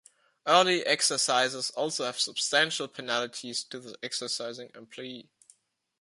Early exercises also have substantial penalties to the exercising employee.